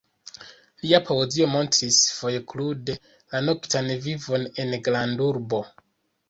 Lia poezio montris, foje krude, la noktan vivon en granda urbo.